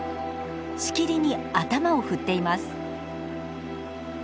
しきりに頭を振っています。